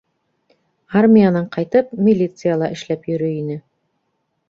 Армиянан ҡайтып, милицияла эшләп йөрөй ине.